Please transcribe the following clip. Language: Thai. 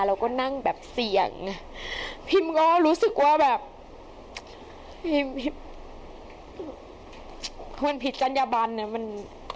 แล้วก็นั่งแบบเสี่ยงพิมก็รู้สึกว่าพิมมันผิดจรรยาบรรณ